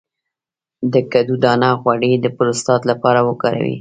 د کدو دانه غوړي د پروستات لپاره وکاروئ